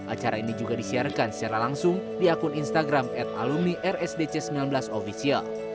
acara ini juga disiarkan secara langsung di akun instagram at alumni rsdc sembilan belas ofisial